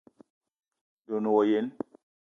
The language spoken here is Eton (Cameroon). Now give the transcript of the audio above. De o ne wa yene?